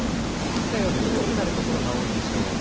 けさより低くなる所が多いでしょう。